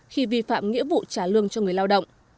khi vi phạm nghĩa vụ trả lương cho người lao động